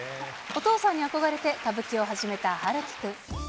お父さんに憧れて歌舞伎を始めた陽喜くん。